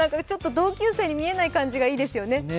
同級生に見えない感じがいいですよね。